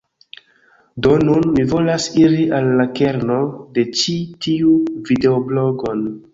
Do nun, mi volas iri al la kerno de ĉi tiu videoblogon.